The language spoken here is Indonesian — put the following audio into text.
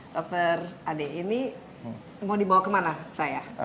dr ade ini mau dibawa kemana saya